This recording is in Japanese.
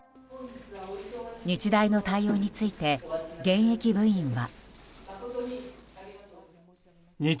日大の対応について現役部員は。